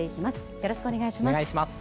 よろしくお願いします。